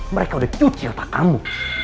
mereka udah cuci apa kamu